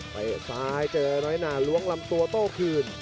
ซ้ายเจอน้อยนาล้วงลำตัวโต้คืน